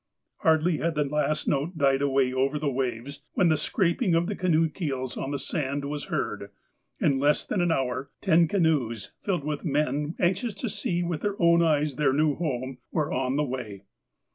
Hardly had the last note died away over the waves, when the scraping of the canoe keels on the sand was heard. In less than an hour, ten canoes, filled with men, anxious to see with their own eyes their new home, were on the way.